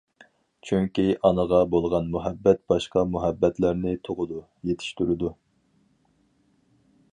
چۈنكى ئانىغا بولغان مۇھەببەت باشقا مۇھەببەتلەرنى تۇغىدۇ، يېتىشتۈرىدۇ.